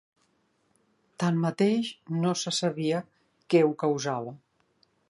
Tanmateix no se sabia què ho causava.